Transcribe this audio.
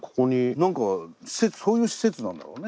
何かそういう施設なんだろうね。